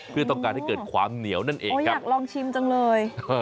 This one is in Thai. เพื่อต้องการให้เกิดความเหนียวนั่นเองโอ้อยากลองชิมจังเลย